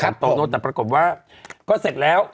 โตโนแต่ปรากฏว่าก็เสร็จแล้ว